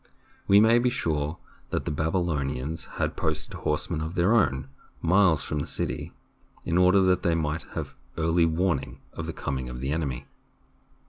We may be sure that the Babylonians had posted horsemen of their own miles from the city, in order that they might have early warning of the coming of the enemy.